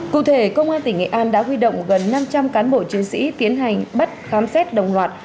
cụ thể công an tỉnh nghệ an đã huy động gần năm trăm linh cán bộ chiến sĩ tiến hành bắt khám xét đồng loạt